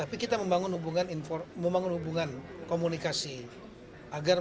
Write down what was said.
jadi di mana menggabungkan masyarakat untuk memperbaiki pembagian dki jakarta